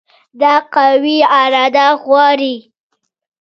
دا قوي اراده غواړي.